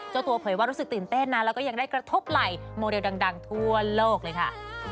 เจ้าตัวเผยว่ารู้สึกตื่นเต้นนะแล้วก็ยังได้กระทบไหล่โมเดลดังทั่วโลกเลยค่ะ